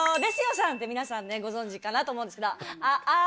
さんって皆さんご存じかなと思うんですけど。